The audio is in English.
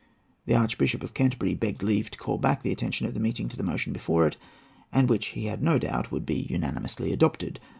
The Archbishop of Canterbury begged leave to call back the attention of the meeting to the motion before it, and which, he had no doubt, would be unanimously adopted.